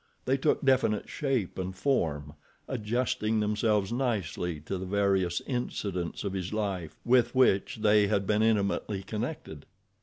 They took definite shape and form, adjusting themselves nicely to the various incidents of his life with which they had been intimately connected.